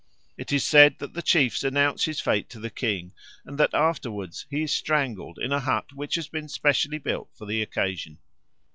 It is said that the chiefs announce his fate to the king, and that afterwards he is strangled in a hut which has been specially built for the occasion.